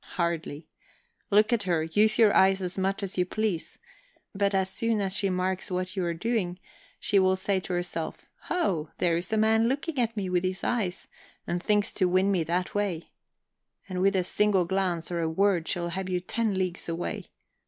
Hardly. Look at her, use your eyes as much as you please but as soon as she marks what you are doing, she will say to herself 'Ho, here's this man looking at me with his eyes, and thinks to win me that way.' And with a single glance, or a word, she'll have you ten leagues away.